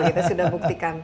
kita sudah buktikan